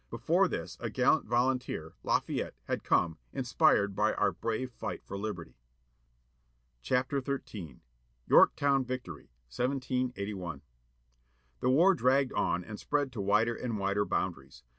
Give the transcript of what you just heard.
Before this a gallantry volunteer, Lafayette, had come, inspired by our brave fight for liberty. INTER AT VALLEY FORGE YORKTOWN VICTORY, 1781 HE war dragged on and spread to wider and wider boundaries.